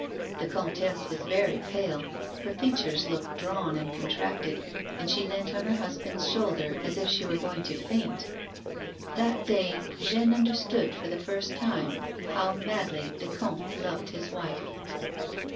The comtesse was very pale ; her features looked drawn and contracted, and she leant on her hus band's shoulder as if she were going to faint. That day Jeanne understood, for the first time, how madly the comte loved his wife.